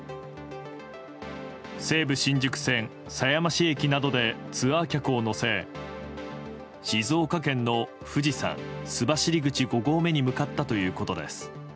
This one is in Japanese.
西武新宿線狭山市駅などでツアー客を乗せ静岡県の富士山須走口５合目に向かったということです。